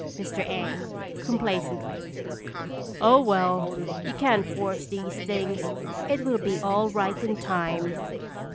Mr. A. (complacently). Oh, well, you can't force these things. It will be all right in time.